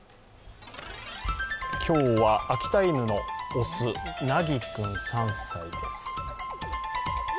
今日は秋田犬の雄、なぎ君３歳です。